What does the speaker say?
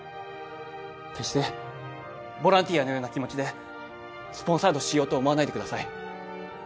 決してボランティアのような気持ちでスポンサードしようと思わないでください